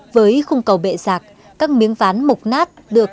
với khung cầu bệ giạc các miếng ván mục nát được